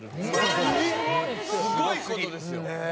すごい事ですよ。